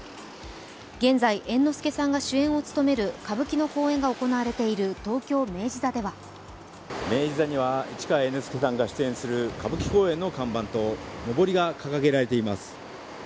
現在、猿之助さんが主演を務める歌舞伎の公演が行われている東京・明治座では明治座には市川猿之助さんが出演する歌舞伎公演の看板とのぼりが掲げられています。